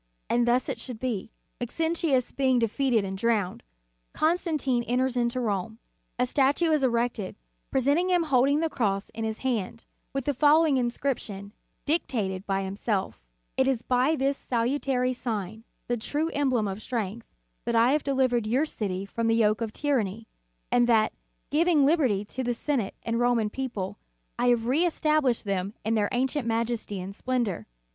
And thus it should be. Maxentius being defeated and drowned, Constantine enters into Rome. A statue is erected, representing him holding the cross in his hand, with the following inscription dictated by himself: "It is by this salu tary sign, the true emblem of strength, that I have delivered your city from the yoke of tyranny, and that, giving liberty to the Senate and Roman people, I have reestab lished them in their ancient majesty and splendor."